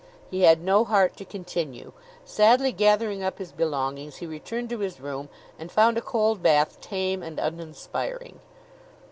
He had no heart to continue. Sadly gathering up his belongings, he returned to his room, and found a cold bath tame and uninspiring.